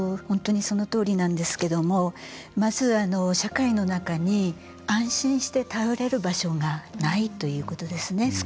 本当にそのとおりなんですけどもまず、社会の中に安心して頼れる場所がないということですね。